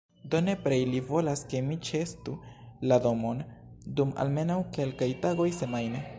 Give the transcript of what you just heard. Do nepre ili volas ke mi ĉeestu la domon, dum almenaŭ kelkaj tagoj semajne